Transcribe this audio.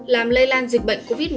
làm lây lan dịch bệnh covid một mươi chín